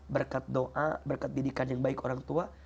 berkat doa berkat bidikan yang baik orang tua